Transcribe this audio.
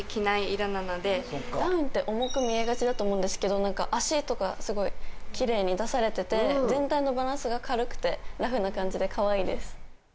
まダウンって重く見えがちだと思うんですけど、なんか足とかすごい、きれいに出されてて、全体のバランスが軽くて、ラフな感じでかわいいです。